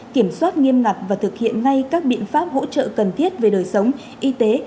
kiểm soát nghiêm ngặt và thực hiện ngay các biện pháp hỗ trợ cần thiết về đời sống y tế